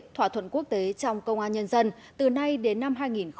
thỏa thuận quốc tế trong công an nhân dân từ nay đến năm hai nghìn ba mươi